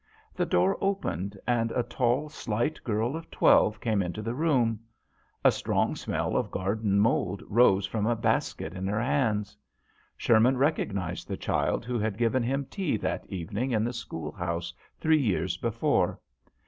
The door opened, and a tall, slight girl of twelve came into the room. A strong smell of garden mould rose from a basket in her hands. Sherman recognized the child who had given him tea that evening in the schoolhouse three years before.